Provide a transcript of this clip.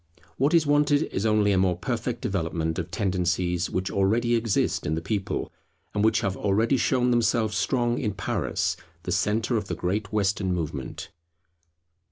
What is wanted is only a more perfect development of tendencies which already exist in the people, and which have already shown themselves strong in Paris, the centre of the great Western movement.